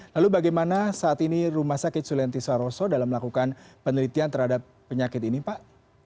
lalu bagaimana saat ini rumah sakit sulianti saroso dalam melakukan penelitian terhadap penyakit ini pak